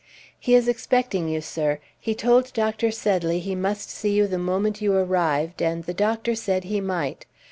"He is expecting you, sir. He told Dr. Sedley he must see you the moment you arrived, and the doctor said he might.